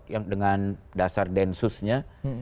yang dengan dasar densusnya